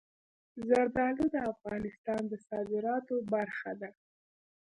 زردالو د افغانستان د صادراتو برخه ده.